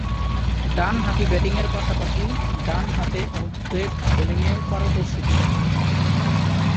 ডানহাতি ব্যাটিংয়ের পাশাপাশি, ডানহাতে অফ ব্রেক বোলিংয়ে পারদর্শী তিনি।